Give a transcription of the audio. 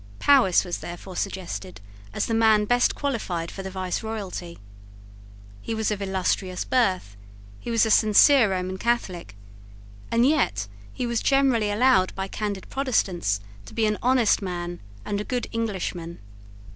Powis was therefore suggested as the man best qualified for the viceroyalty. He was of illustrious birth: he was a sincere Roman Catholic: and yet he was generally allowed by candid Protestants to be an honest man and a good Englishman.